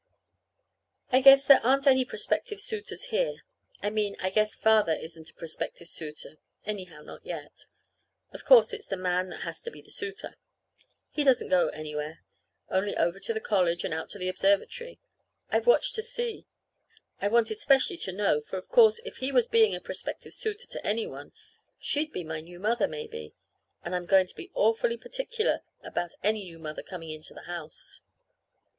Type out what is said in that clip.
I guess there aren't any prospective suitors here. I mean, I guess Father isn't a prospective suitor anyhow, not yet. (Of course, it's the man that has to be the suitor.) He doesn't go anywhere, only over to the college and out to the observatory. I've watched so to see. I wanted specially to know, for of course if he was being a prospective suitor to any one, she'd be my new mother, maybe. And I'm going to be awfully particular about any new mother coming into the house.